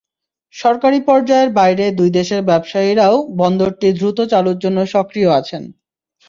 সরকারি পর্যায়ের বাইরে দুই দেশের ব্যবসায়ীরাও বন্দরটি দ্রুত চালুর জন্য সক্রিয় আছেন।